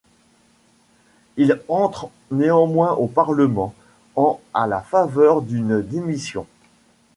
Il entre néanmoins au Parlement en à la faveur d'une démission.